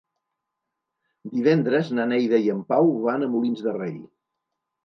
Divendres na Neida i en Pau van a Molins de Rei.